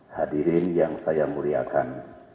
hadirin yang saya muriakan